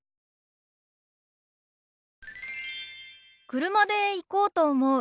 車で行こうと思う。